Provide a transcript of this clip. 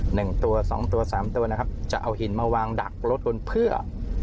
หนึ่งตัวสองตัวสามตัวนะครับจะเอาหินมาวางดักรถบนเพื่อ